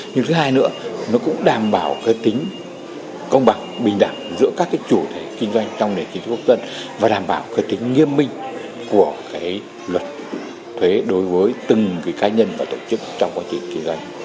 nhưng thứ hai nữa nó cũng đảm bảo cái tính công bằng bình đẳng giữa các cái chủ thể kinh doanh trong nền kinh tế quốc dân và đảm bảo cái tính nghiêm minh của cái luật thuế đối với từng cái cá nhân và tổ chức trong quá trình kinh doanh